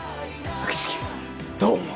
秋月どう思う？